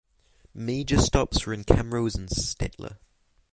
Major stops were in Camrose and Stettler.